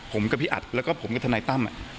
ผมกับพี่อัดแล้วก็ผมกับทนายตั้ม